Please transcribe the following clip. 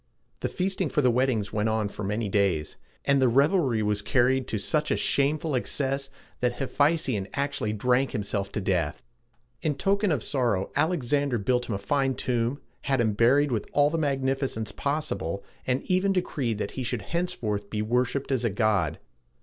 The feasting for the weddings went on for many days, and the revelry was carried to such a shameful excess, that Hephæstion actually drank himself to death. In token of sorrow, Alexander built him a fine tomb, had him buried with all the magnificence possible, and even decreed that he should henceforth be worshiped as a god.